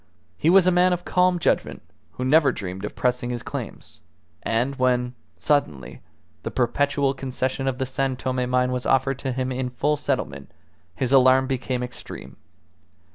He was a man of calm judgment, who never dreamed of pressing his claims; and when, suddenly, the perpetual concession of the San Tome mine was offered to him in full settlement, his alarm became extreme.